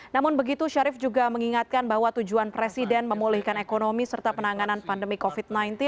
namun begitu syarif juga mengingatkan bahwa tujuan presiden memulihkan ekonomi serta penanganan pandemi covid sembilan belas